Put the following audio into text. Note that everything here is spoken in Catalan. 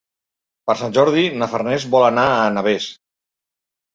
Per Sant Jordi na Farners vol anar a Navès.